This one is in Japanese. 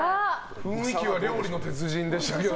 雰囲気は「料理の鉄人」でした。